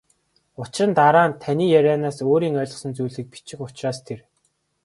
Учир нь дараа нь таны ярианаас өөрийн ойлгосон зүйлийг бичих учраас тэр.